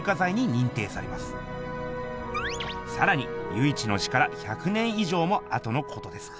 さらに由一の死から１００年い上もあとのことですが。